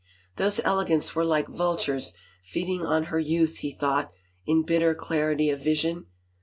Those elegants were like vultures feeding on her youth, he thought, in bitter clarity of vision.